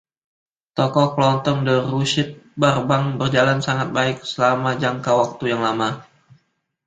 Toko kelontong The Ruseet Burbank berjalan sangat baik selama jangka waktu yang lama.